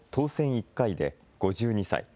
１回で５２歳。